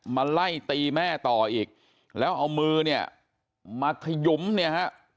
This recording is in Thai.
มาไล่ตีแม่ต่ออีกแล้วเอามือเนี่ยมาขยุมเนี่ยฮะ